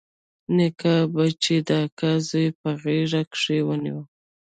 نيکه به چې د اکا زوى په غېږ کښې ونيو.